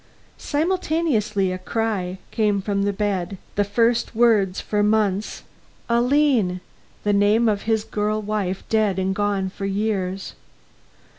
Simultaneously a cry came from the bed, the first words for months "Aline!" the name of his girl wife, dead and gone for years.